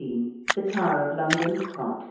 THE TOWER OF LONDON. PART II.